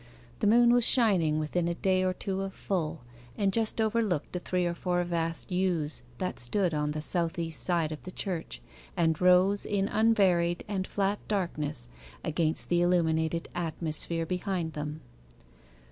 The moon was shining within a day or two of full, and just overlooked the three or four vast yews that stood on the south east side of the church, and rose in unvaried and flat darkness against the illuminated atmosphere behind them.